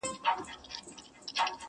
هره شمع یې ژړیږي کابل راسي!!